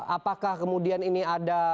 apakah kemudian ini ada